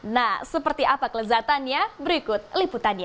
nah seperti apa kelezatannya berikut liputannya